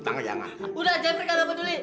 jangan jangan jangan